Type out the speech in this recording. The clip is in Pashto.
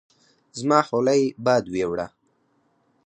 زما حولی باد ويوړه